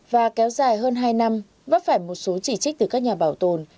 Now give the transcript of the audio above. và kéo dài hơn hai năm vấp phải một số chỉ trích từ các nhà bảo tồn